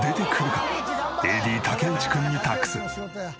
ＡＤ竹内くんに託す。